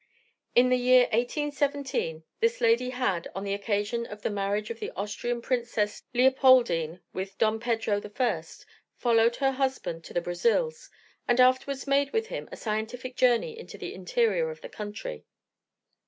In the year 1817, this lady had, on the occasion of the marriage of the Austrian Princess Leopaldine with Don Pedro I., followed her husband to the Brazils, and afterwards made with him a scientific journey into the interior of the country.